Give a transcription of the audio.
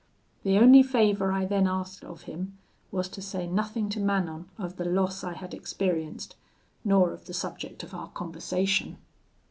The only favour I then asked of him was to say nothing to Manon of the loss I had experienced, nor of the subject of our conversation.